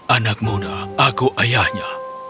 anak muda aku ayahnya